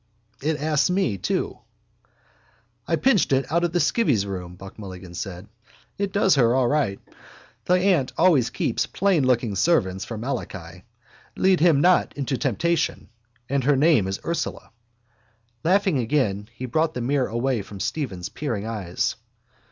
It asks me too. —I pinched it out of the skivvy's room, Buck Mulligan said. It does her all right. The aunt always keeps plainlooking servants for Malachi. Lead him not into temptation. And her name is Ursula. Laughing again, he brought the mirror away from Stephen's peering eyes.